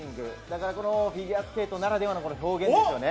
フィギュアスケートならではの表現です。